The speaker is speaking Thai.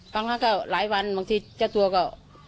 ครั้งก็หลายวันบางทีเจ้าตัวก็